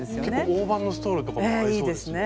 大判ストールとかも合いそうですよね。